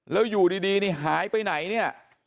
แล้วอยู่ดีนี่หายไปไหนเนี่ย